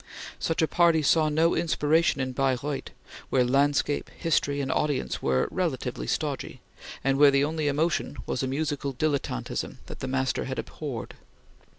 Such a party saw no inspiration in Baireuth, where landscape, history, and audience were relatively stodgy, and where the only emotion was a musical dilettantism that the master had abhorred.